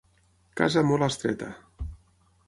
Casa molt estreta.